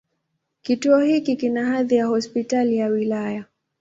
Kituo hiki kina hadhi ya Hospitali ya wilaya.